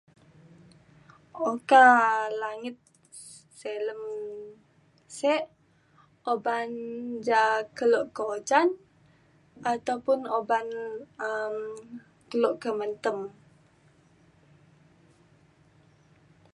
Oka langit si- silem sek uban ja kelo ke ujan ataupun uban um kelo ke mentem